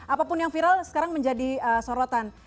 apapun yang viral sekarang menjadi sorotan